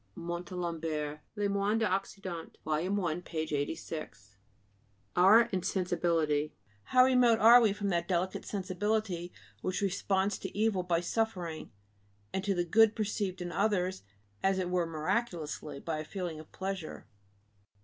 (Montalembert, Les Moines d'Occident, vol. 1, p. 86.) =Our insensibility=. How remote are we from that delicate sensibility which responds to evil by suffering and to the good perceived in others as it were miraculously, by a feeling of pleasure!